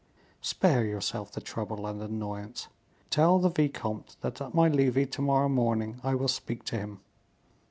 "Spare yourself the trouble and annoyance. Tell the vicomte that at my levee to morrow morning I will speak to him.